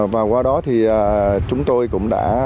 và qua đó thì chúng tôi cũng đã